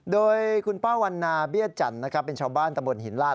โดยคุณป้าวันนาเบี้ยจันทร์นะครับเป็นชาวบ้านตะบนหินลาด